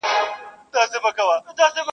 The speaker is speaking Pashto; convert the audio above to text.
لهشاوردروميګناهونهيېدلېپاتهسي,